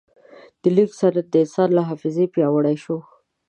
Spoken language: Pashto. د لیک سند د انسان له حافظې پیاوړی شو.